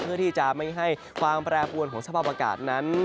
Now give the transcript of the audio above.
เพื่อที่จะไม่ให้ความแปรปวนของสภาพอากาศนั้น